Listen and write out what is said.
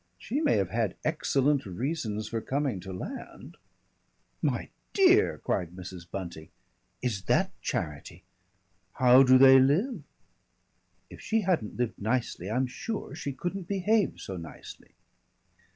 She may have had excellent reasons for coming to land " "My dear!" cried Mrs. Bunting. "Is that charity?" "How do they live?" "If she hadn't lived nicely I'm sure she couldn't behave so nicely."